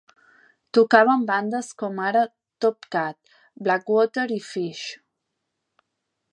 Tocava amb bandes com ara Top Kat, Blackwater, i Fish.